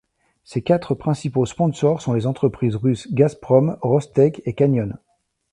Ses quatre principaux sponsors sont les entreprises russes Gazprom, Rostec, et Canyon.